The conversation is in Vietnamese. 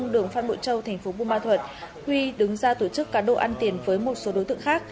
đường phan bội châu thành phố bù ma thuật huy đứng ra tổ chức cá độ ăn tiền với một số đối tượng khác